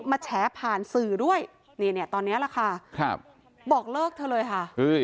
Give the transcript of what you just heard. มาแฉผ่านสื่อด้วยเนี่ยตอนนี้ล่ะค่ะบอกเลิกเธอเลยค่ะ